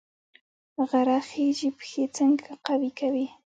غره خیژي پښې څنګه قوي کوي؟